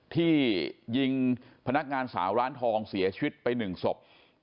ที่ยิงพนักงานสาวร้านทองเสียชีวิตไป๑ศพ